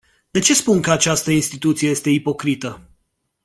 De ce spun că această instituție este ipocrită?